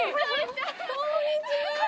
こんにちは！